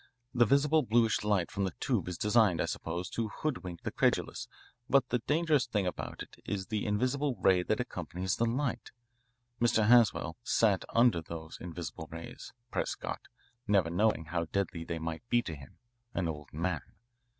The visible bluish light from the tube is designed, I suppose, to hoodwink the credulous, but the dangerous thing about it is the invisible ray that accompanies that light. Mr. Haswell sat under those invisible rays, Prescott, never knowing how deadly they might be to him, an old man.